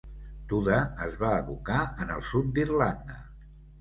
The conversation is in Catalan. Tuda es va educar en el sud d'Irlanda.